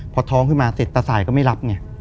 พอท้องขึ้นมาเสร็จตาสายก็ไม่รับไง